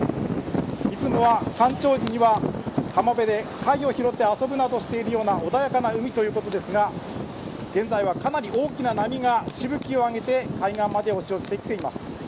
いつもは干潮時には浜辺で貝を拾って遊ぶなどしているような穏やかな海ということですが現在はかなり大きな波がしぶきをあげて海岸まで押し寄せてきています。